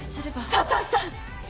佐都さん！